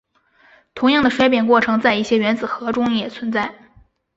同样的衰变过程在一些原子核中也存在。